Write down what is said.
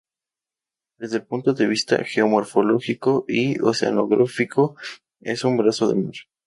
Desde el punto de vista geomorfológico y oceanográfico es un brazo de mar.